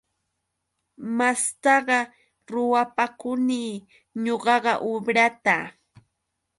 Mastaqa ruwapakuni ñuqaqa ubrata.